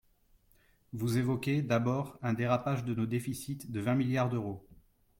Vous évoquez, d’abord, un dérapage de nos déficits de vingt milliards d’euros.